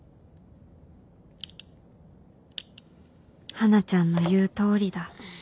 華ちゃんの言うとおりだ